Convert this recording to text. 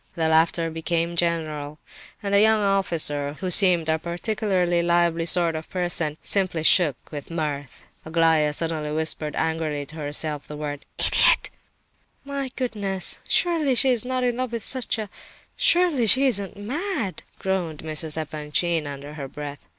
The laughter became general, and the young officer, who seemed a particularly lively sort of person, simply shook with mirth. Aglaya suddenly whispered angrily to herself the word— "Idiot!" "My goodness—surely she is not in love with such a—surely she isn't mad!" groaned Mrs. Epanchin, under her breath.